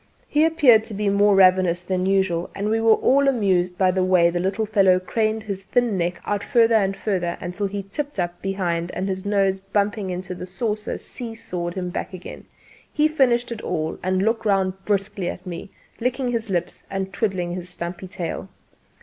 He appeared to be more ravenous than usual, and we were all amused by the way the little fellow craned his thin neck out further and further until he tipped up behind and his nose bumping into the saucer see sawed him back again. He finished it all and looked round briskly at me, licking his lips and twiddling his stumpy tail.